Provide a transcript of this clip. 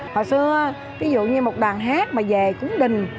hồi xưa ví dụ như một đoàn hát mà về cũng đình